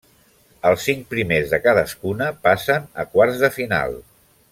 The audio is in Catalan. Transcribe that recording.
Els cinc primers de cadascuna passen a quarts de final.